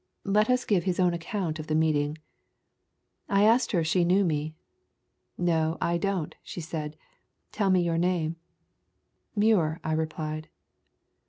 Let us give his own account of the meeting: "I asked her if she knew me. 'No, I don't,' she said; 'tell me your name.' 'Muir,' I replied.